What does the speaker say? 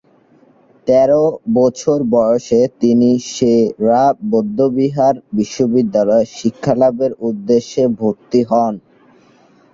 তেরো বছর বয়সে তিনি সে-রা বৌদ্ধবিহার বিশ্ববিদ্যালয়ে শিক্ষালাভের উদ্দেশ্যে ভর্তি হন।